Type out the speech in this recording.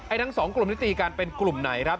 ทั้งสองกลุ่มที่ตีกันเป็นกลุ่มไหนครับ